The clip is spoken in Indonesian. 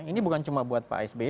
ini bukan cuma buat pak sby